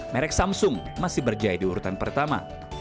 merek samsung masih berjaya di urutan pertama